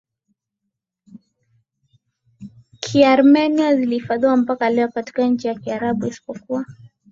Kiarmenia zilihifadhiwa mpaka leo katika nchi za Kiarabu isipokuwa